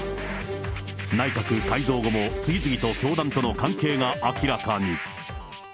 内閣改造後も次々と教団との関係が明らかに。